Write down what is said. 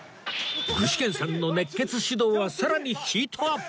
具志堅さんの熱血指導はさらにヒートアップ！